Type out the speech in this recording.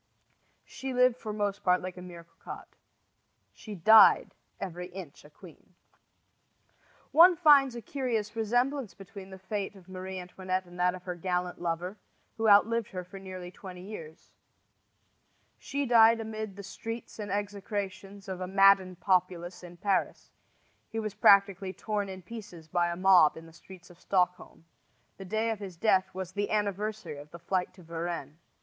She lived for most part like a mere cocotte. She died every inch a queen. One finds a curious resemblance between the fate of Marie Antoinette and that of her gallant lover, who outlived her for nearly twenty years. She died amid the shrieks and execrations of a maddened populace in Paris; he was practically torn in pieces by a mob in the streets of Stockholm. The day of his death was the anniversary of the flight to Varennes.